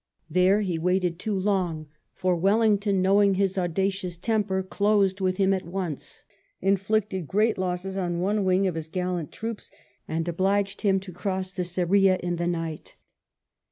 There he waited too long, for Wellington, knowing his audacious temper, closed with him at once, inflicted great losses on one wing of his gallant troops, and obliged him to cross the Ceira in the night.